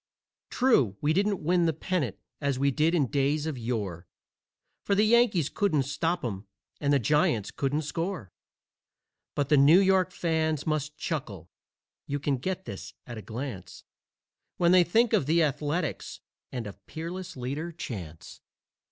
True, we didn't win the pennant as we did in days of yore For the Yankees couldn't stop 'em and the Giants couldn't score, But the New York fans must chuckle (you can get this at a glance) When they think of the Athletics and of Peerless Leader Chance.